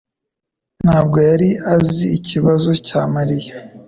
ntabwo yari azi ikibazo cya Mariya.